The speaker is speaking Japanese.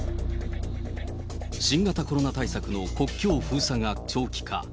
新型コロナ対策の国境封鎖が長期化。